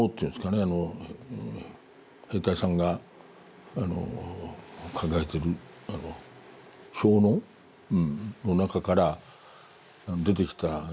兵隊さんが抱えてる小嚢の中から出てきたゲートル。